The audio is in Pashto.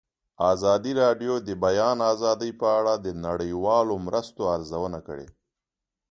ازادي راډیو د د بیان آزادي په اړه د نړیوالو مرستو ارزونه کړې.